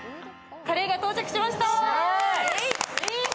カレーが到着しました。